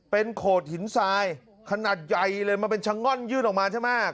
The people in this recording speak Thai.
เป็นโขดหินทรายขนาดใหญ่เลยมันเป็นชะง่อนยื่นออกมาใช่ไหม